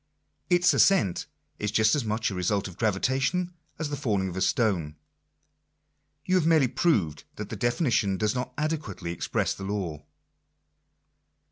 Its ascent is just as much a result of gravitation as the falling of a stone. You have merely proved that the definition does not adequately express the law.